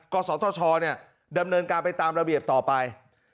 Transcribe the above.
ศธชดำเนินการไปตามระเบียบต่อไป